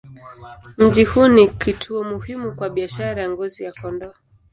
Mji huu ni kituo muhimu kwa biashara ya ngozi za kondoo.